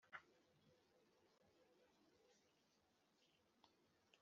yasaga nuwubwira uwataye ubwenge.